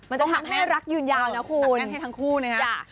มันจะทำให้รักยืนยาวนะคุณ